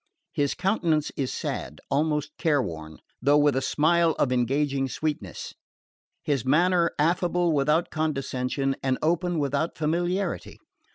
His countenance is sad, almost careworn, though with a smile of engaging sweetness; his manner affable without condescension, and open without familiarity.